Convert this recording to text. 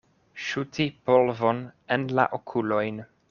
Ŝuti polvon en la okulojn.